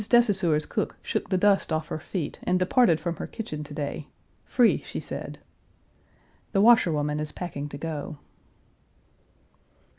de Saussure's cook shook the dust off her feet and departed from her kitchen to day free, she said. The washerwoman is packing to go.